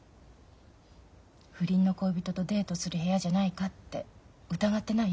不倫の恋人とデートする部屋じゃないかって疑ってない？